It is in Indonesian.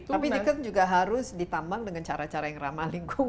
tapi dekat juga harus ditambang dengan cara cara yang ramah lingkungan